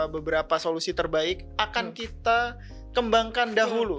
beberapa solusi terbaik akan kita kembangkan dahulu